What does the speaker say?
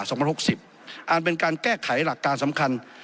อ่านเป็นการแก้ไขหลักการสำคัญ